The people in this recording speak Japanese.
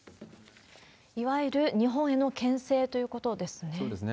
いわゆる日本へのけん制ということですね。